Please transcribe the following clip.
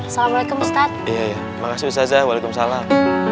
salamualaikum ustaz iya makasih ustazah waalaikumsalam